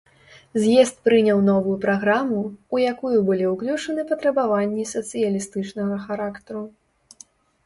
З'езд прыняў новую праграму, у якую былі ўключаны патрабаванні сацыялістычнага характару.